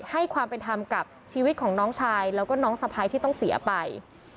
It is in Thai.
ให้ความเป็นธรรมกับชีวิตของน้องชายแล้วก็น้องสะพ้ายที่ต้องเสียไป